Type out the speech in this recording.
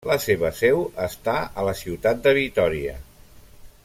La seva seu està a la ciutat de Vitòria.